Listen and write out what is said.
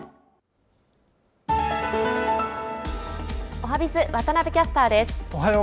おはＢｉｚ、渡部キャスターです。